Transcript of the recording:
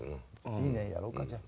いいねやろうかじゃあ。